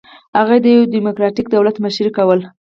هغه د یوه ډیموکراټیک دولت مشري کوله.